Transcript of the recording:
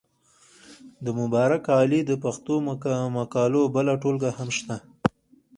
د مبارک علي د پښتو مقالو بله ټولګه هم شته.